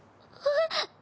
えっ？